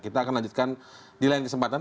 kita akan lanjutkan di lain kesempatan